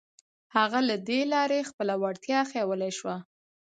هغه له دې لارې خپله وړتيا ښوولای شوه.